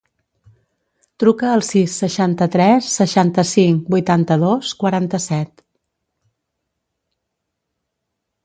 Truca al sis, seixanta-tres, seixanta-cinc, vuitanta-dos, quaranta-set.